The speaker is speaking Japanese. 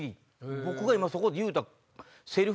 僕がそこで言うたセリフ